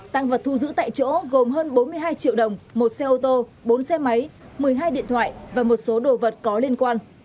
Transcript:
tăng vật thu giữ tại chỗ gồm hơn bốn mươi hai triệu đồng một xe ô tô bốn xe máy một mươi hai điện thoại và một số đồ vật có liên quan